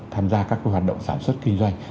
tham gia các hoạt động sản xuất kinh doanh